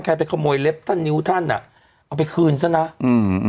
ใครไปขะโมยเล็บสั้นนิ้วท่านอ่ะเอาไปคืนซะน่ะอือเออ